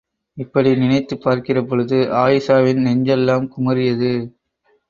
இப்படி நினைத்துப் பார்க்கிறபொழுது ஆயீஷாவின் நெஞ்செல்லாம் குமுறியது!